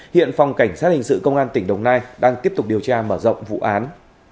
hiện phòng cảnh sát hình sự công an tỉnh đồng nai đang tiếp tục điều tra mở rộng vụ án